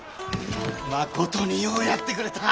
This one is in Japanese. まことにようやってくれた！